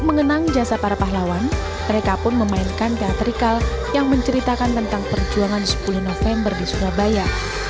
mengenang jasa para pahlawan mereka pun memainkan teatrikal yang menceritakan tentang perjuangan sepuluh november di surabaya